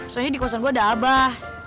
soalnya di kosong gue ada abah